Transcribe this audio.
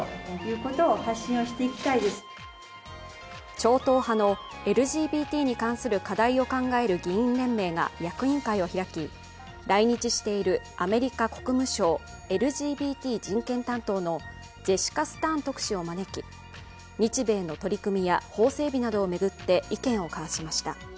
超党派のＬＧＢＴに関する課題を考える議員連盟が役員会を開き来日しているアメリカ国務省ＬＧＢＴ人権担当のジェシカ・スターン特使を招き日米の取り組みや法整備などを巡って意見を交わしました。